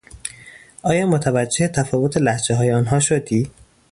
آیا متوجه تفاوت لهجههای آنها شدی؟